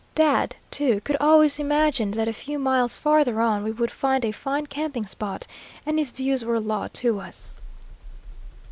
Dad, too, could always imagine that a few miles farther on we would find a fine camping spot, and his views were law to us.